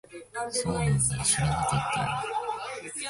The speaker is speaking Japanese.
そうなんだ。知らなかったよ。